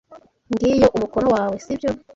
Ngiyo umukono wawe, sibyo?